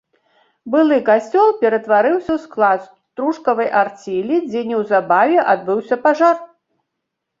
Былы касцёл ператварыўся ў склад стружкавай арцелі, дзе неўзабаве адбыўся пажар.